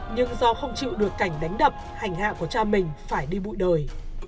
nhưng do không chịu được cảnh đánh đập hành hạ của cha mình phải đi bội đời